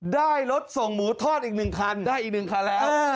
ได้รถส่งหมูทอดอีก๑คันได้อีก๑คันแล้ว